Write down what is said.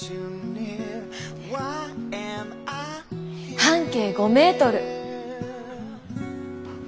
半径５メートル。